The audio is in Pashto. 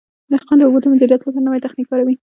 دهقان د اوبو د مدیریت لپاره نوی تخنیک کاروي.